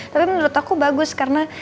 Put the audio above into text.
tapi menurut aku bagus karena